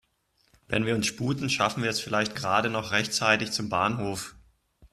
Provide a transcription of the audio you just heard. Wenn wir uns sputen, schaffen wir es vielleicht gerade noch rechtzeitig zum Bahnhof.